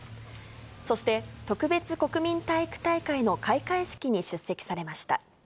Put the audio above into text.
そして、特別国民体育大会の開会式に出席されました。